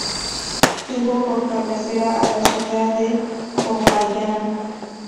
Tuvo por cabecera a la ciudad de Popayán.